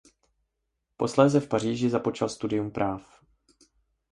Posléze v Paříži započal studium práv.